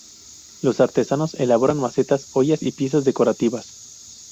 Los artesanos elaboran macetas, ollas y piezas decorativas.